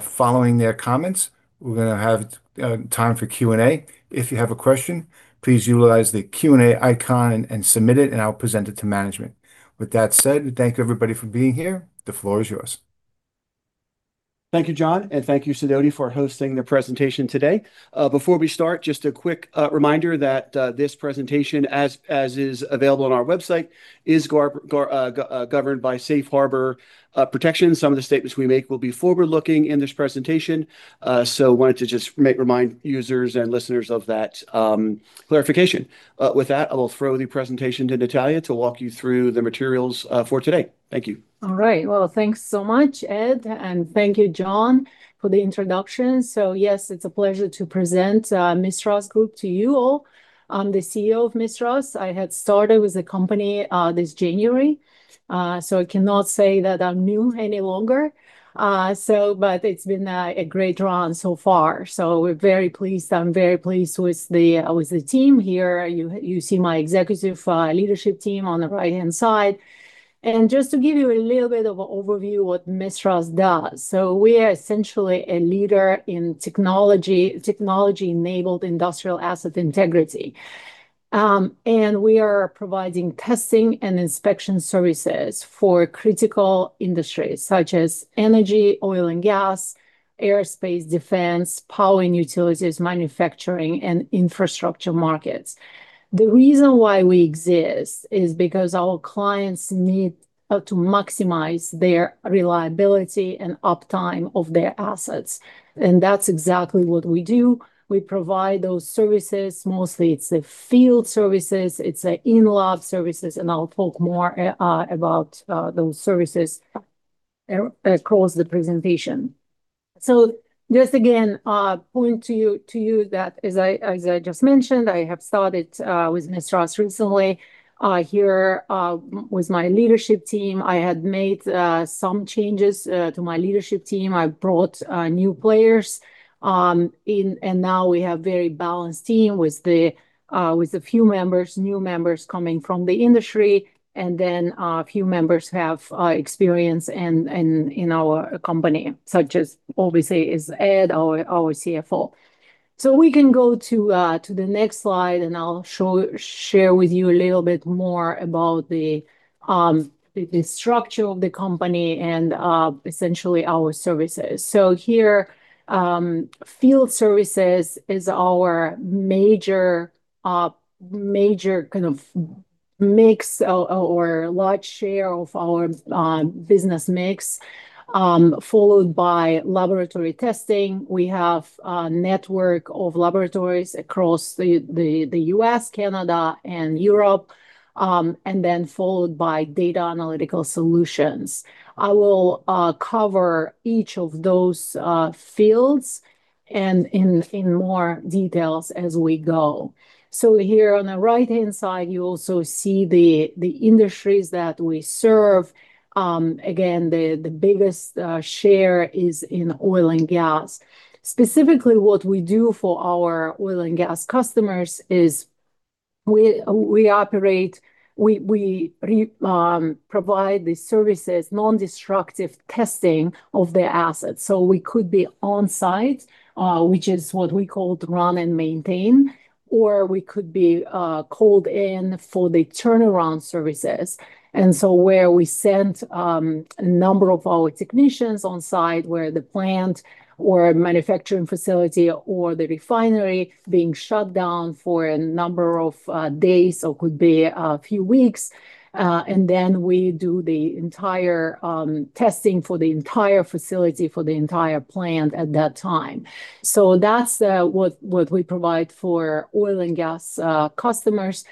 Following their comments, we're going to have time for Q&A. If you have a question, please utilize the Q&A icon and submit it, and I'll present it to management. With that said, thank you, everybody, for being here. The floor is yours. Thank you, John, and thank you, Sidoti for hosting the presentation today. Before we start, just a quick reminder that this presentation, as is available on our website, is governed by Safe Harbor Protection. Some of the statements we make will be forward-looking in this presentation, so I wanted to just remind users and listeners of that clarification. With that, I will throw the presentation to Natalia to walk you through the materials for today. Thank you. All right. Well, thanks so much, Ed, and thank you, John, for the introduction. So yes, it's a pleasure to present Mistras Group to you all. I'm the CEO of Mistras. I had started with the company this January, so I cannot say that I'm new any longer. But it's been a great run so far. So we're very pleased. I'm very pleased with the team here. You see my executive leadership team on the right-hand side. And just to give you a little bit of an overview of what Mistras does, so we are essentially a leader in technology-enabled industrial asset integrity. And we are providing testing and inspection services for critical industries such as energy, oil and gas, aerospace, defense, power and utilities, manufacturing, and infrastructure markets. The reason why we exist is because our clients need to maximize their reliability and uptime of their assets. That's exactly what we do. We provide those services. Mostly, it's the field services. It's the in-lab services. I'll talk more about those services across the presentation. Just again, point to you that, as I just mentioned, I have started with Mistras recently here with my leadership team. I had made some changes to my leadership team. I brought new players in, and now we have a very balanced team with a few members, new members coming from the industry, and then a few members who have experience in our company, such as, obviously, is Ed, our CFO. We can go to the next slide, and I'll share with you a little bit more about the structure of the company and essentially our services. Here, field services is our major kind of mix or large share of our business mix, followed by laboratory testing. We have a network of laboratories across the U.S., Canada, and Europe, and then followed by data analytical solutions. I will cover each of those fields in more details as we go, so here on the right-hand side, you also see the industries that we serve. Again, the biggest share is in oil and gas. Specifically, what we do for our oil and gas customers is we provide the services, non-destructive testing of their assets, so we could be on-site, which is what we call run and maintain, or we could be called in for the turnaround services. And so where we send a number of our technicians on-site, where the plant or manufacturing facility or the refinery is being shut down for a number of days or could be a few weeks, and then we do the entire testing for the entire facility, for the entire plant at that time. So that's what we provide for oil and gas customers.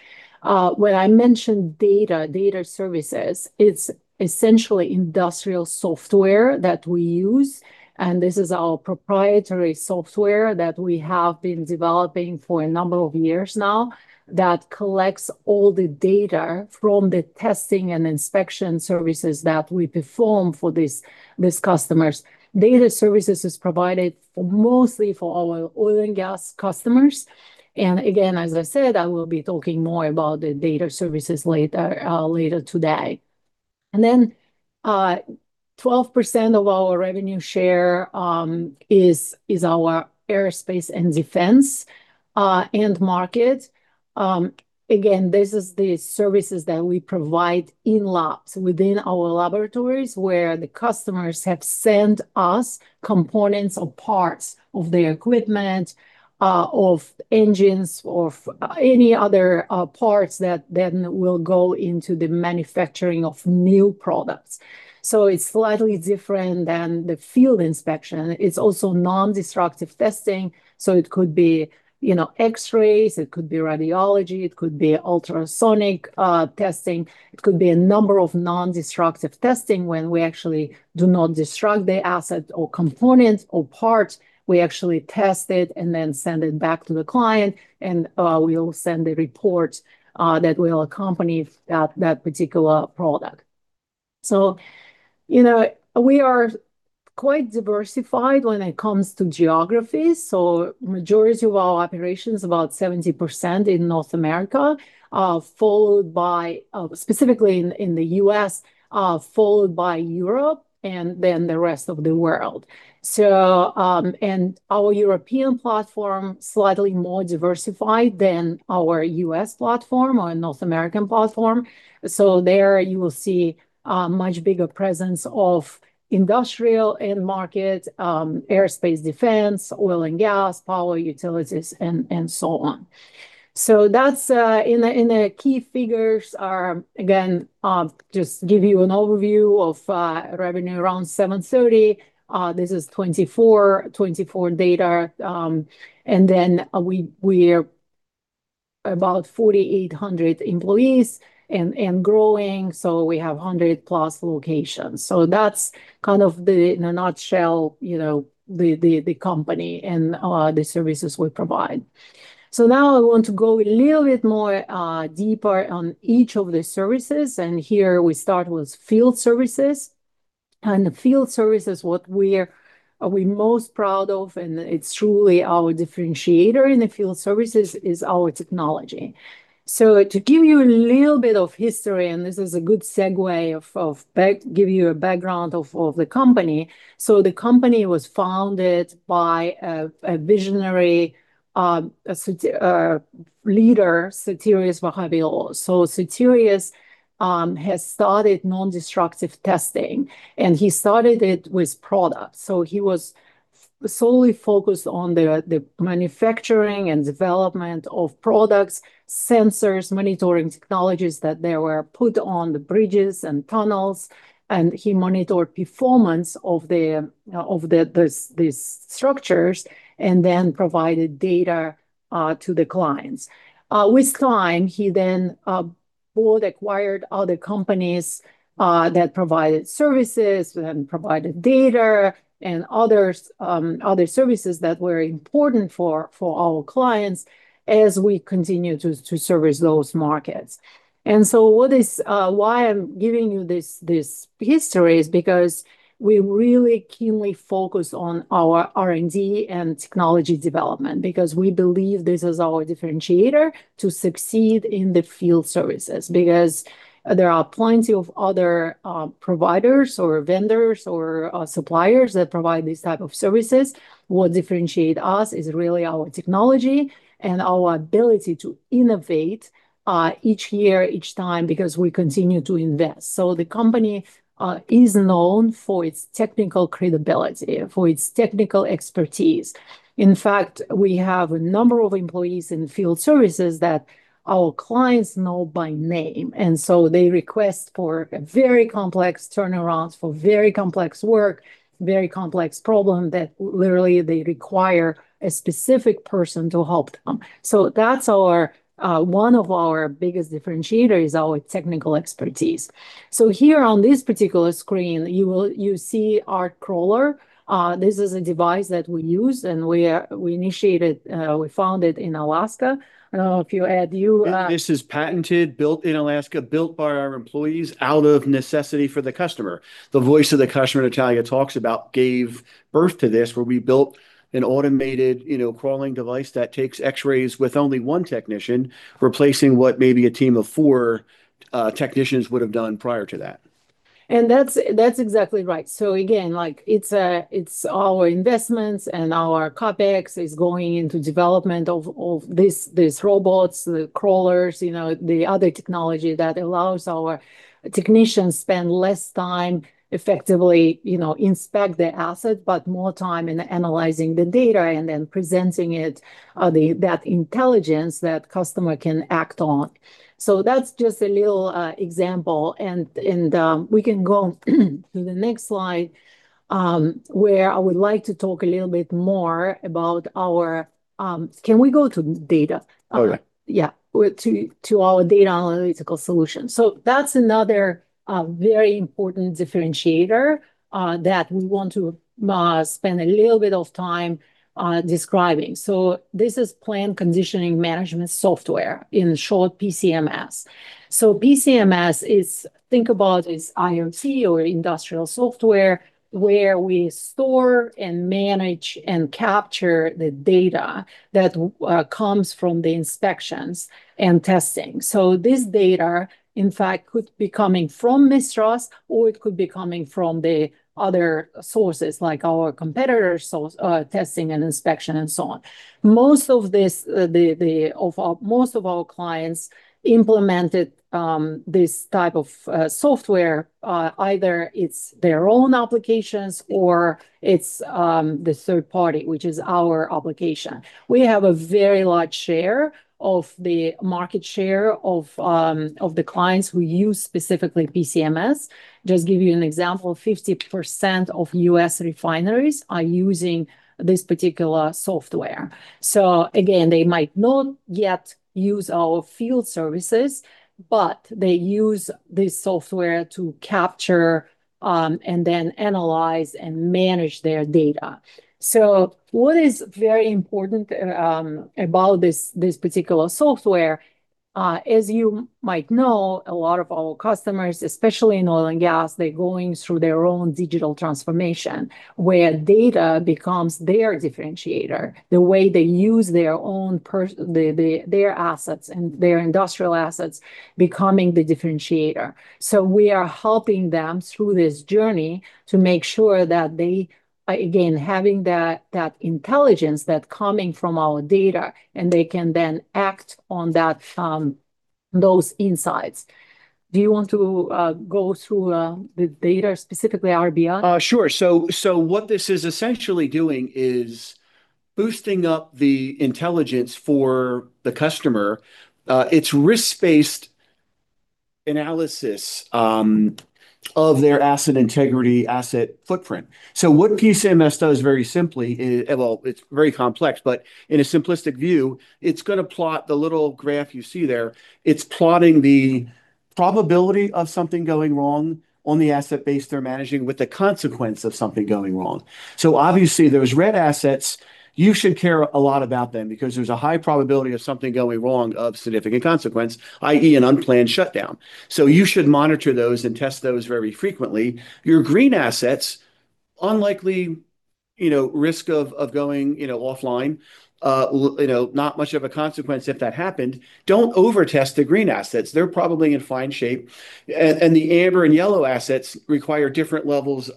When I mentioned data, data services, it's essentially industrial software that we use. And this is our proprietary software that we have been developing for a number of years now that collects all the data from the testing and inspection services that we perform for these customers. Data services are provided mostly for our oil and gas customers. And again, as I said, I will be talking more about the data services later today. And then 12% of our revenue share is our aerospace and defense end market. Again, this is the services that we provide in labs within our laboratories where the customers have sent us components or parts of their equipment, of engines, of any other parts that then will go into the manufacturing of new products. So it's slightly different than the field inspection. It's also non-destructive testing. So it could be X-rays. It could be radiology. It could be ultrasonic testing. It could be a number of non-destructive testing when we actually do not destruct the asset or component or part. We actually test it and then send it back to the client, and we will send the report that will accompany that particular product. So we are quite diversified when it comes to geography. So the majority of our operations, about 70% in North America, specifically in the U.S., followed by Europe and then the rest of the world. And our European platform is slightly more diversified than our U.S. platform or North American platform. So there you will see a much bigger presence of industrial end market, aerospace, defense, oil and gas, power, utilities, and so on. So in the key figures, again, just give you an overview of revenue around $730. This is 2024 data. And then we are about 4,800 employees and growing. So we have 100+ locations. So that's kind of, in a nutshell, the company and the services we provide. So now I want to go a little bit more deeper on each of the services. And here we start with field services. And the field services, what we are most proud of, and it's truly our differentiator in the field services, is our technology. So to give you a little bit of history, and this is a good segue to give you a background of the company. So the company was founded by a visionary leader, Sotirios Vahaviolos. So Sotirios has started non-destructive testing, and he started it with products. So he was solely focused on the manufacturing and development of products, sensors, monitoring technologies that were put on the bridges and tunnels. And he monitored performance of these structures and then provided data to the clients. With time, he then bought, acquired other companies that provided services and provided data and other services that were important for our clients as we continue to service those markets. And so why I'm giving you this history is because we really keenly focus on our R&D and technology development because we believe this is our differentiator to succeed in the field services. Because there are plenty of other providers or vendors or suppliers that provide these types of services. What differentiates us is really our technology and our ability to innovate each year, each time, because we continue to invest. So the company is known for its technical credibility, for its technical expertise. In fact, we have a number of employees in field services that our clients know by name. And so they request for very complex turnarounds, for very complex work, very complex problems that literally they require a specific person to help them. So one of our biggest differentiators is our technical expertise. So here on this particular screen, you see our Crawler. This is a device that we use, and we found it in Alaska. I don't know if you, Ed. This is patented, built in Alaska, built by our employees out of necessity for the customer. The voice of the customer Natalia talks about gave birth to this, where we built an automated crawling device that takes X-rays with only one technician, replacing what maybe a team of four technicians would have done prior to that. And that's exactly right. So again, it's our investments, and our CapEx is going into the development of these robots, the crawlers, the other technology that allows our technicians to spend less time effectively inspecting the asset, but more time in analyzing the data and then presenting that intelligence that the customer can act on. So that's just a little example. And we can go to the next slide, where I would like to talk a little bit more about our. Can we go to data? Okay. Yeah, to our data analytical solutions. So that's another very important differentiator that we want to spend a little bit of time describing. So this is Plant Condition Management Software, in short, PCMS. So PCMS is. Think about it as IoT or industrial software, where we store and manage and capture the data that comes from the inspections and testing. So this data, in fact, could be coming from Mistras, or it could be coming from the other sources, like our competitors' testing and inspection, and so on. Most of our clients implemented this type of software, either it's their own applications or it's the third party, which is our application. We have a very large share of the market share of the clients who use specifically PCMS. Just to give you an example, 50% of U.S. refineries are using this particular software. So again, they might not yet use our field services, but they use this software to capture and then analyze and manage their data. So what is very important about this particular software, as you might know, a lot of our customers, especially in oil and gas, they're going through their own digital transformation, where data becomes their differentiator, the way they use their assets and their industrial assets becoming the differentiator. So we are helping them through this journey to make sure that they, again, having that intelligence that's coming from our data, and they can then act on those insights. Do you want to go through the data specifically, RBI? Sure, so what this is essentially doing is boosting up the intelligence for the customer. It's risk-based analysis of their asset integrity, asset footprint, so what PCMS does, very simply, well, it's very complex, but in a simplistic view, it's going to plot the little graph you see there. It's plotting the probability of something going wrong on the asset base they're managing with the consequence of something going wrong, so obviously, those red assets, you should care a lot about them because there's a high probability of something going wrong of significant consequence, i.e., an unplanned shutdown, so you should monitor those and test those very frequently. Your green assets, unlikely risk of going offline, not much of a consequence if that happened. Don't over-test the green assets. They're probably in fine shape. And the amber and yellow assets require different levels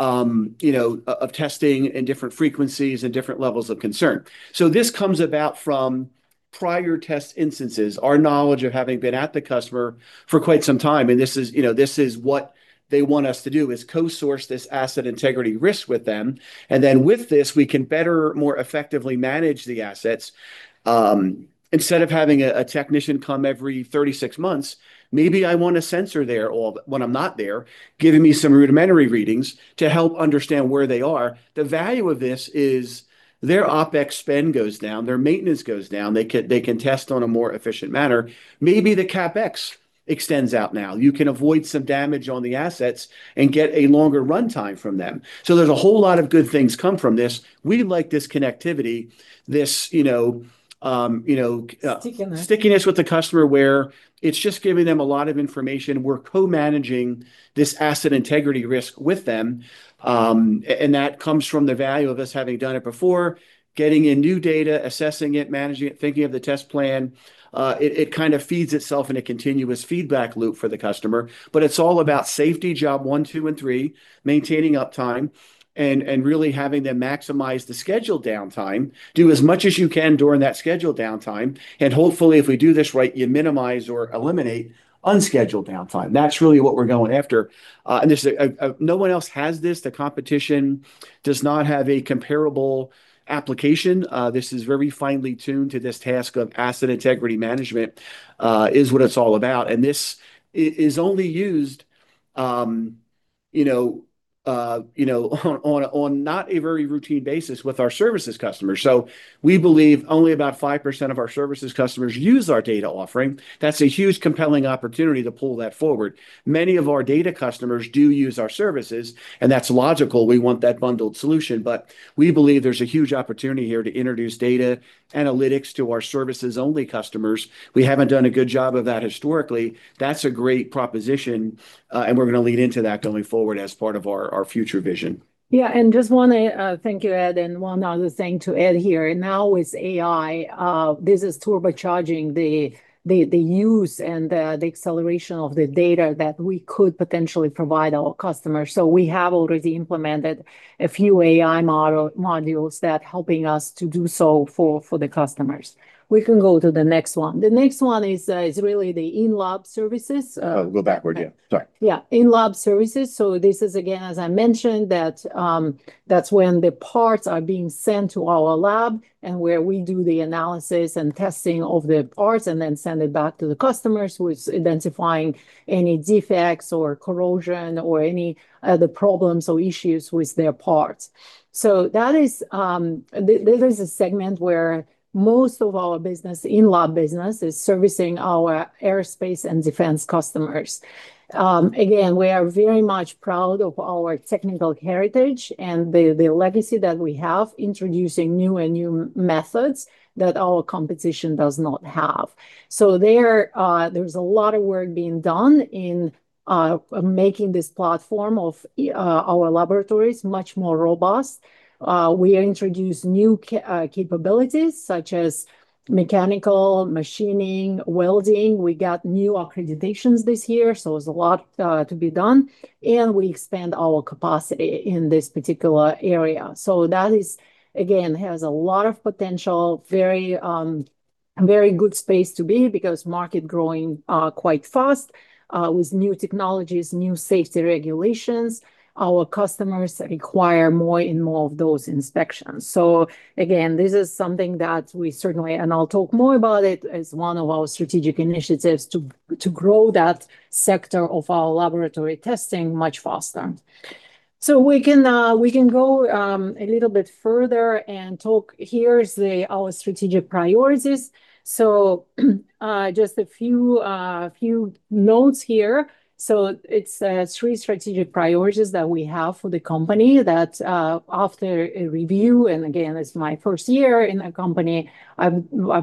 of testing and different frequencies and different levels of concern. So this comes about from prior test instances, our knowledge of having been at the customer for quite some time. And this is what they want us to do is co-source this asset integrity risk with them. And then with this, we can better, more effectively manage the assets. Instead of having a technician come every 36 months, maybe I want a sensor there when I'm not there, giving me some rudimentary readings to help understand where they are. The value of this is their OpEx spend goes down, their maintenance goes down. They can test on a more efficient manner. Maybe the CapEx extends out now. You can avoid some damage on the assets and get a longer runtime from them. So there's a whole lot of good things come from this. We like this connectivity, this stickiness with the customer where it's just giving them a lot of information. We're co-managing this asset integrity risk with them. And that comes from the value of us having done it before, getting in new data, assessing it, managing it, thinking of the test plan. It kind of feeds itself in a continuous feedback loop for the customer. But it's all about safety, job one, two, and three, maintaining uptime, and really having them maximize the scheduled downtime, do as much as you can during that scheduled downtime. And hopefully, if we do this right, you minimize or eliminate unscheduled downtime. That's really what we're going after. And no one else has this. The competition does not have a comparable application. This is very finely tuned to this task of asset integrity management, is what it's all about. And this is only used on not a very routine basis with our services customers. So we believe only about 5% of our services customers use our data offering. That's a huge compelling opportunity to pull that forward. Many of our data customers do use our services, and that's logical. We want that bundled solution. But we believe there's a huge opportunity here to introduce data analytics to our services-only customers. We haven't done a good job of that historically. That's a great proposition, and we're going to lean into that going forward as part of our future vision. Yeah. And just want to thank you, Ed, and one other thing to add here. And now with AI, this is turbocharging the use and the acceleration of the data that we could potentially provide our customers. So we have already implemented a few AI modules that are helping us to do so for the customers. We can go to the next one. The next one is really the in-lab services. I'll go backward. Yeah. Sorry. Yeah. In-lab services. So this is, again, as I mentioned, that's when the parts are being sent to our lab and where we do the analysis and testing of the parts and then send it back to the customers with identifying any defects or corrosion or any other problems or issues with their parts. So there is a segment where most of our in-lab business is servicing our aerospace and defense customers. Again, we are very much proud of our technical heritage and the legacy that we have, introducing new and new methods that our competition does not have. So there's a lot of work being done in making this platform of our laboratories much more robust. We introduce new capabilities such as mechanical, machining, welding. We got new accreditations this year, so there's a lot to be done. And we expand our capacity in this particular area. So that, again, has a lot of potential, very good space to be because the market is growing quite fast with new technologies, new safety regulations. Our customers require more and more of those inspections. So again, this is something that we certainly, and I'll talk more about it, is one of our strategic initiatives to grow that sector of our laboratory testing much faster. So we can go a little bit further and talk. Here are our strategic priorities. So just a few notes here. So it's three strategic priorities that we have for the company that, after a review, and again, it's my first year in the company. I've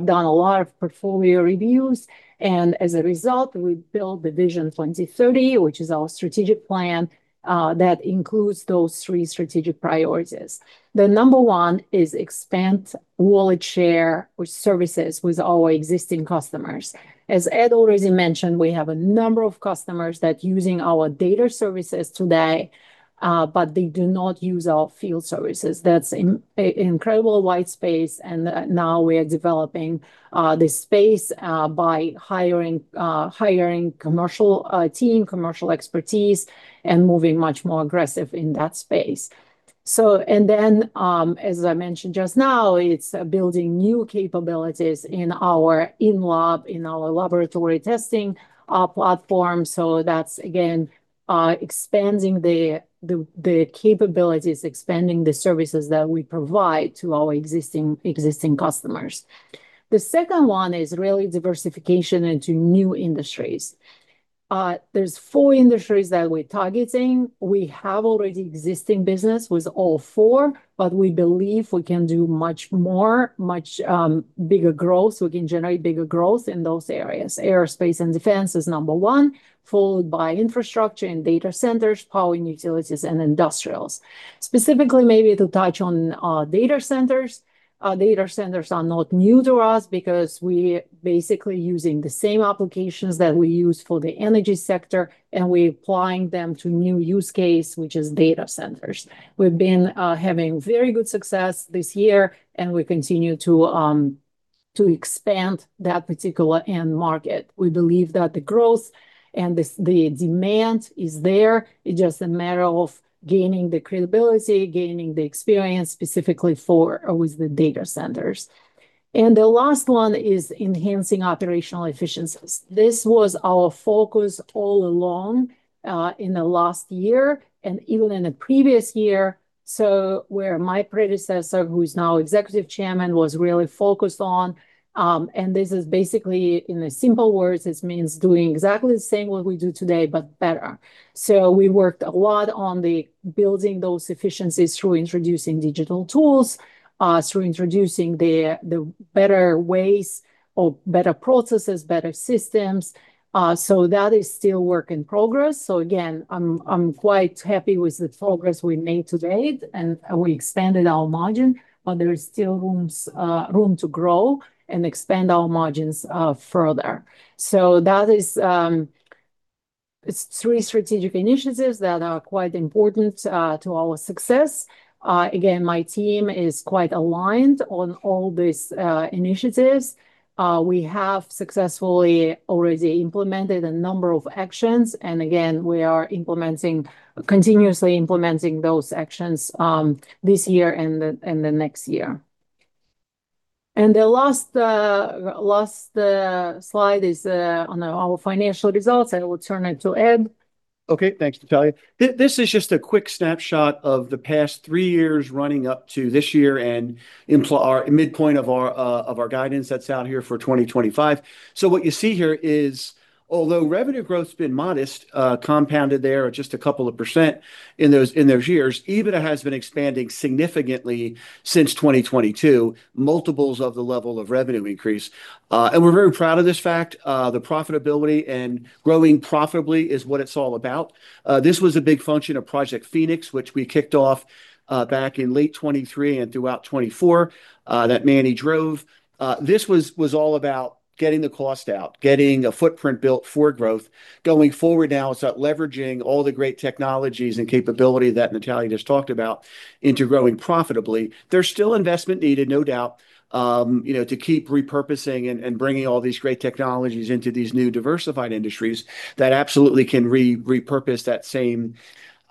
done a lot of portfolio reviews. And as a result, we built the Vision 2030, which is our strategic plan that includes those three strategic priorities. The number one is to expand the wallet share with services with our existing customers. As Ed already mentioned, we have a number of customers that are using our data services today, but they do not use our field services. That's an incredible white space. And now we are developing this space by hiring a commercial team, commercial expertise, and moving much more aggressively in that space. And then, as I mentioned just now, it's building new capabilities in our in-lab, in our laboratory testing platform. So that's, again, expanding the capabilities, expanding the services that we provide to our existing customers. The second one is really diversification into new industries. There are four industries that we're targeting. We have already existing business with all four, but we believe we can do much more, much bigger growth. We can generate bigger growth in those areas. Aerospace and defense is number one, followed by infrastructure and data centers, power and utilities, and industrials. Specifically, maybe to touch on data centers. Data centers are not new to us because we're basically using the same applications that we use for the energy sector, and we're applying them to a new use case, which is data centers. We've been having very good success this year, and we continue to expand that particular end market. We believe that the growth and the demand are there. It's just a matter of gaining the credibility, gaining the experience specifically with the data centers. And the last one is enhancing operational efficiencies. This was our focus all along in the last year and even in the previous year, where my predecessor, who is now Executive Chairman, was really focused on. And this is basically, in simple words, it means doing exactly the same what we do today, but better. So we worked a lot on building those efficiencies through introducing digital tools, through introducing the better ways or better processes, better systems. So that is still a work in progress. So again, I'm quite happy with the progress we made to date, and we expanded our margin, but there is still room to grow and expand our margins further. So that is three strategic initiatives that are quite important to our success. Again, my team is quite aligned on all these initiatives. We have successfully already implemented a number of actions. And again, we are continuously implementing those actions this year and the next year. And the last slide is on our financial results. I will turn it to Ed. Okay. Thanks, Natalia. This is just a quick snapshot of the past three years running up to this year and midpoint of our guidance that's out here for 2025, so what you see here is, although revenue growth has been modest, compounded there at just a couple of % in those years, EBITDA has been expanding significantly since 2022, multiples of the level of revenue increase, and we're very proud of this fact. The profitability and growing profitably is what it's all about. This was a big function of Project Phoenix, which we kicked off back in late 2023 and throughout 2024 that Natalia drove. This was all about getting the cost out, getting a footprint built for growth. Going forward now, it's about leveraging all the great technologies and capability that Natalia just talked about into growing profitably. There's still investment needed, no doubt, to keep repurposing and bringing all these great technologies into these new diversified industries that absolutely can repurpose that same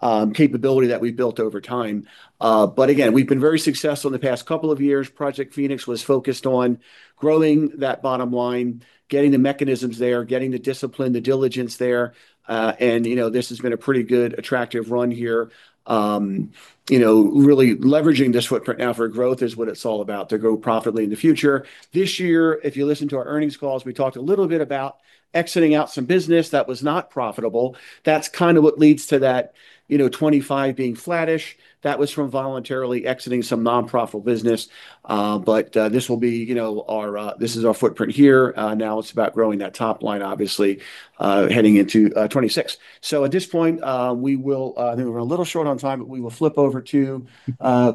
capability that we've built over time. But again, we've been very successful in the past couple of years. Project Phoenix was focused on growing that bottom line, getting the mechanisms there, getting the discipline, the diligence there. And this has been a pretty good, attractive run here. Really leveraging this footprint now for growth is what it's all about to grow profitably in the future. This year, if you listen to our earnings calls, we talked a little bit about exiting out some business that was not profitable. That's kind of what leads to that 2025 being flattish. That was from voluntarily exiting some non-profit business. But this will be our—this is our footprint here. Now it's about growing that top line, obviously, heading into 2026. So at this point, we will, I think we're a little short on time, but we will flip over to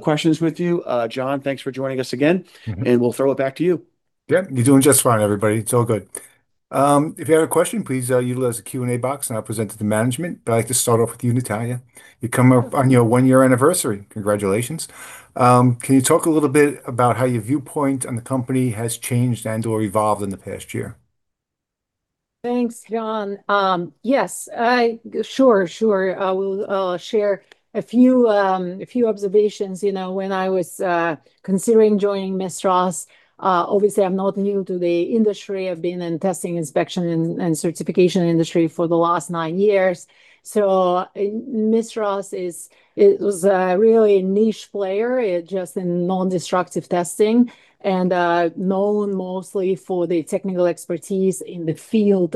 questions with you. John, thanks for joining us again. And we'll throw it back to you. Yeah. You're doing just fine, everybody. It's all good. If you have a question, please utilize the Q&A box, and I'll present it to management. But I'd like to start off with you, Natalia. You're coming up on your one-year anniversary. Congratulations. Can you talk a little bit about how your viewpoint on the company has changed and/or evolved in the past year? Thanks, John. Yes. Sure, sure. I will share a few observations. When I was considering joining Mistras, obviously, I'm not new to the industry. I've been in testing, inspection, and certification industry for the last nine years, so Mistras was a really niche player, just in non-destructive testing, and known mostly for the technical expertise in the field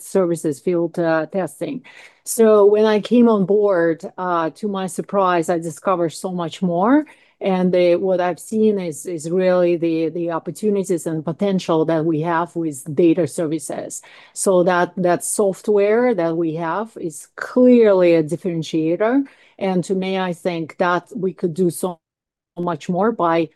services, field testing, so when I came on board, to my surprise, I discovered so much more, and what I've seen is really the opportunities and potential that we have with data services, so that software that we have is clearly a differentiator. And to me, I think that we could do so much more by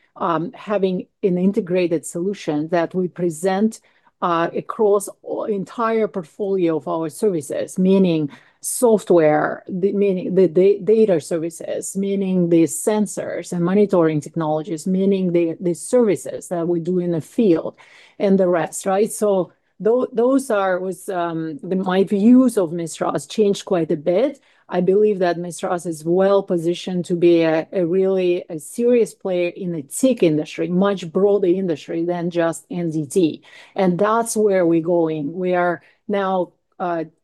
having an integrated solution that we present across the entire portfolio of our services, meaning software, meaning the data services, meaning the sensors and monitoring technologies, meaning the services that we do in the field, and the rest, right? So those are my views of Mistras changed quite a bit. I believe that Mistras is well positioned to be a really serious player in a tech industry, a much broader industry than just NDT. And that's where we're going. We are now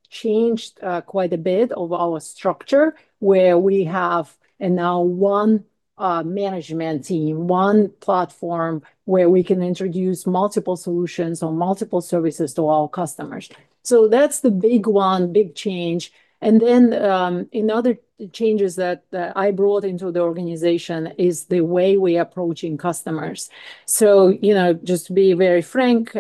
changed quite a bit of our structure where we have now one management team, one platform where we can introduce multiple solutions or multiple services to our customers. So that's the big one, big change. And then another changes that I brought into the organization is the way we're approaching customers. So just to be very frank,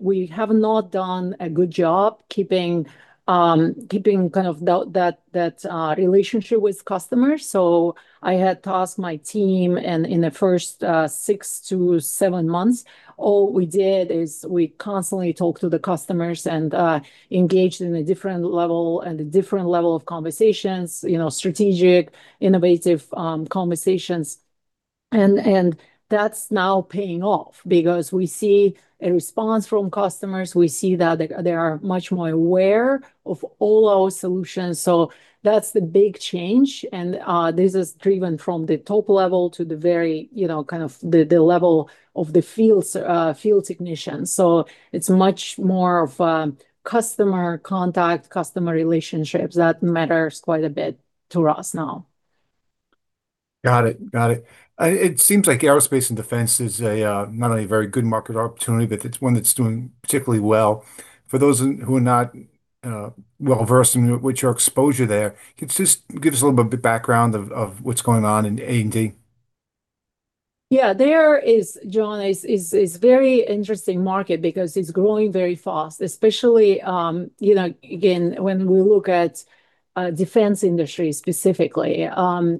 we have not done a good job keeping kind of that relationship with customers. So I had tasked my team in the first six to seven months. All we did is we constantly talked to the customers and engaged in a different level and a different level of conversations, strategic, innovative conversations. And that's now paying off because we see a response from customers. We see that they are much more aware of all our solutions. So that's the big change. And this is driven from the top level to the very kind of the level of the field technicians. So it's much more of customer contact, customer relationships. That matters quite a bit to us now. Got it. Got it. It seems like aerospace and defense is not only a very good market opportunity, but it's one that's doing particularly well. For those who are not well versed in what your exposure there, just give us a little bit of background of what's going on in A&D. Yeah. There is, John. It's a very interesting market because it's growing very fast, especially, again, when we look at defense industry specifically.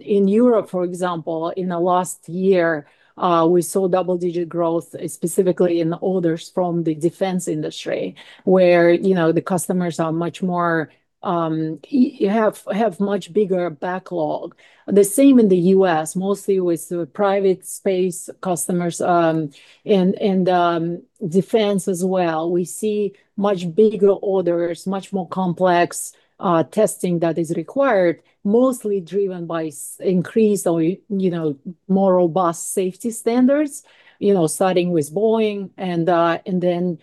In Europe, for example, in the last year, we saw double-digit growth, specifically in orders from the defense industry, where the customers are much more, have much bigger backlog. The same in the U.S., mostly with private space customers and defense as well. We see much bigger orders, much more complex testing that is required, mostly driven by increased or more robust safety standards, starting with Boeing and then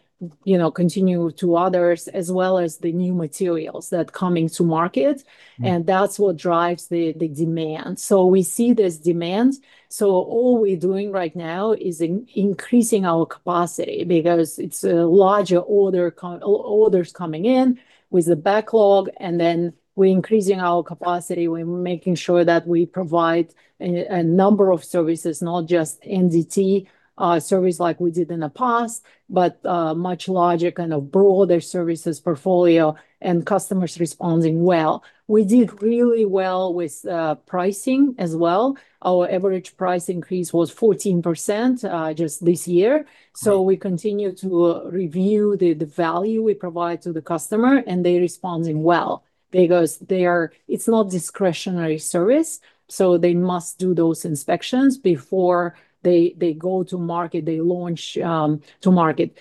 continue to others, as well as the new materials that are coming to market, and that's what drives the demand, so we see this demand, so all we're doing right now is increasing our capacity because it's larger orders coming in with the backlog, and then we're increasing our capacity. We're making sure that we provide a number of services, not just NDT service like we did in the past, but much larger kind of broader services portfolio, and customers responding well. We did really well with pricing as well. Our average price increase was 14% just this year, so we continue to review the value we provide to the customer, and they're responding well because it's not discretionary service, so they must do those inspections before they go to market, they launch to market.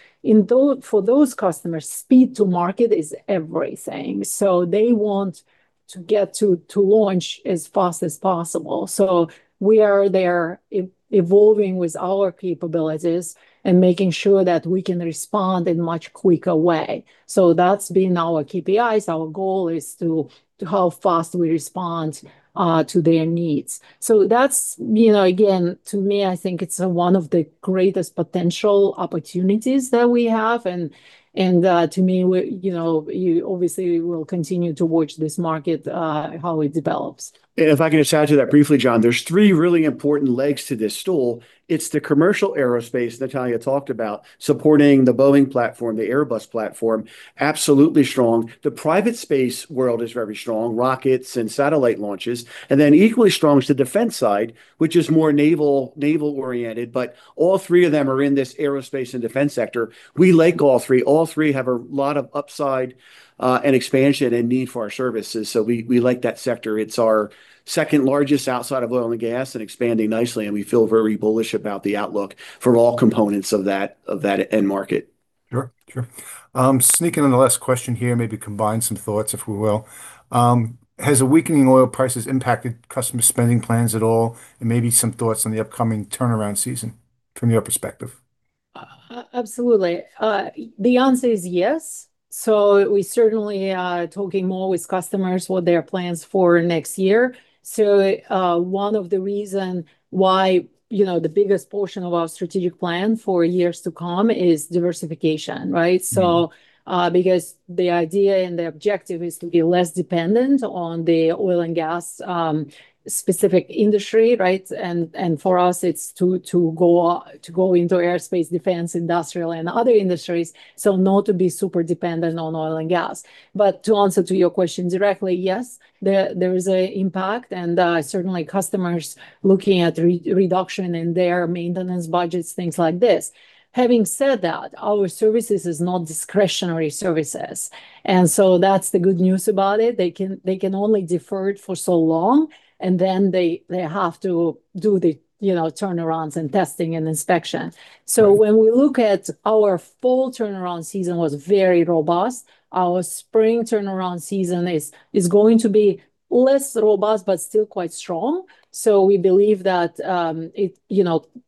For those customers, speed to market is everything, so they want to get to launch as fast as possible, so we are there evolving with our capabilities and making sure that we can respond in a much quicker way, so that's been our KPIs. Our goal is how fast we respond to their needs. So that's, again, to me, I think it's one of the greatest potential opportunities that we have. And to me, obviously, we'll continue to watch this market, how it develops. And if I can just add to that briefly, John, there's three really important legs to this stool. It's the commercial aerospace Natalia talked about, supporting the Boeing platform, the Airbus platform, absolutely strong. The private space world is very strong, rockets and satellite launches. And then equally strong is the defense side, which is more naval-oriented. But all three of them are in this aerospace and defense sector. We like all three. All three have a lot of upside and expansion and need for our services. So we like that sector. It's our second largest outside of oil and gas and expanding nicely. And we feel very bullish about the outlook for all components of that end market. Sure. Sure. Sneaking in the last question here, maybe combine some thoughts, if we will. Has a weakening oil prices impacted customer spending plans at all? Maybe some thoughts on the upcoming turnaround season from your perspective. Absolutely. The answer is yes, so we're certainly talking more with customers what their plans are for next year, so one of the reasons why the biggest portion of our strategic plan for years to come is diversification, right? Because the idea and the objective is to be less dependent on the oil and gas-specific industry, right, and for us, it's to go into aerospace, defense, industrial, and other industries, so not to be super dependent on oil and gas, but to answer to your question directly, yes, there is an impact, and certainly, customers are looking at reduction in their maintenance budgets, things like this. Having said that, our services are not discretionary services, and so that's the good news about it. They can only defer it for so long, and then they have to do the turnarounds and testing and inspection. So when we look at our full turnaround season was very robust. Our spring turnaround season is going to be less robust, but still quite strong. So we believe that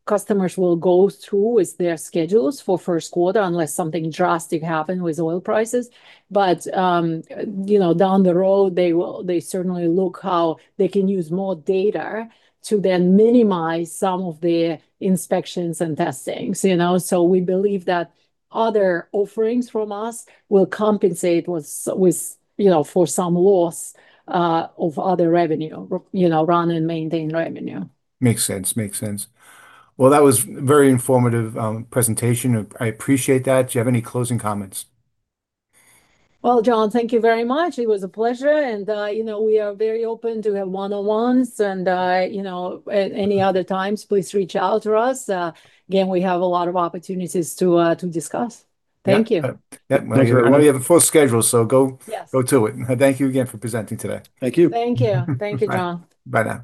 customers will go through with their schedules for first quarter unless something drastic happens with oil prices. But down the road, they certainly look at how they can use more data to then minimize some of the inspections and testings. So we believe that other offerings from us will compensate for some loss of other revenue, run-and-maintain revenue. Makes sense. Makes sense. Well, that was a very informative presentation. I appreciate that. Do you have any closing comments? Well, John, thank you very much. It was a pleasure. And we are very open to have one-on-ones. And any other times, please reach out to us. Again, we have a lot of opportunities to discuss. Thank you. Yep. Well, you have a full schedule, so go to it. And thank you again for presenting today. Thank you. Thank you. Thank you, John. Bye-bye.